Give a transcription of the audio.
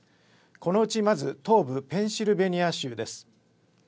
このうちまず東部ペンシルベニア州です。